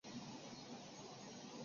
现在已部分时间对游人免费。